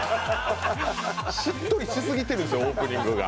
しっとりしすぎてるんですよ、オープニングが。